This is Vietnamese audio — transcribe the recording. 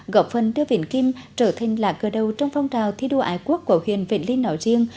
gọc phân đưa vĩnh kim trở thành lạc cơ đầu trong phong trào thi đua ái quốc của huyền vĩnh linh nội riêng